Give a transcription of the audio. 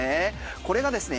これがですね